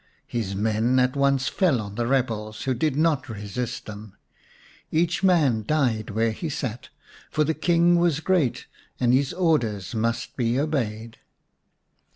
His men at once fell on the rebels, who did not resist them. Each man died where he sat, for the King was great, and his orders must be obeyed.